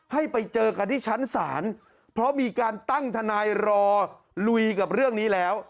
ให้ไปเจอกันที่ชั้นศาลเพราะมีการตั้งทนายรอลุยกับเรื่องนี้แล้ว